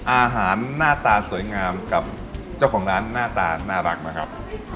อาหารหน้าตาสวยงามกับเจ้าของร้านหน้าตาน่ารักนะครับ